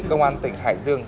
công an tỉnh hải dương